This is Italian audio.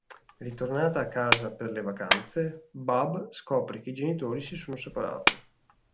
Ritornata a casa per le vacanze, Bab scopre che i genitori si sono separati.